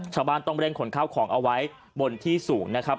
ชาวบ้านต้องเร่งขนข้าวของเอาไว้บนที่สูงนะครับ